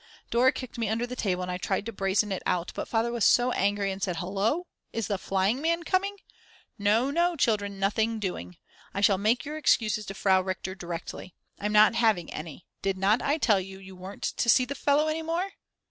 Dora kicked me under the table and I tried to brazen it out, but Father was so angry and said. "Hullo, is the flying man coming? No, no, children, nothing doing. I shall make your excuses to Frau Richter directly. I'm not having any, did not I tell you you weren't to see the fellow any more?"